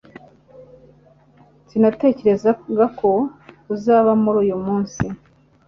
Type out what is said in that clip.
Sinatekerezaga ko uzaba muri uyumunsi